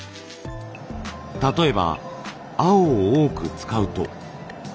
例えば青を多く使うと。